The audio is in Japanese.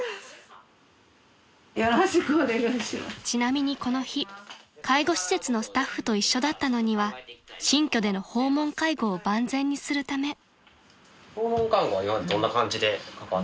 ［ちなみにこの日介護施設のスタッフと一緒だったのには新居での訪問介護を万全にするため］